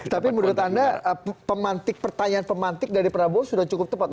tapi menurut anda pertanyaan pemantik dari prabowo sudah cukup tepat